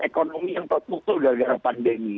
ekonomi yang tertutup gara gara pandemi